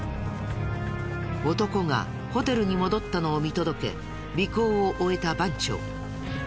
男がホテルに戻ったのを見届け尾行を終えた番長。